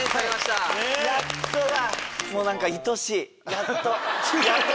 やっとだ！